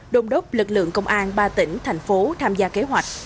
đồng đốc lực lượng công an ba tỉnh thành phố tham gia kế hoạch